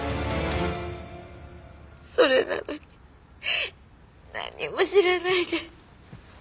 それなのになんにも知らないで。